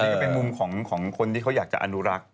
นี่ก็เป็นมุมของคนที่เขาอยากจะอนุรักษ์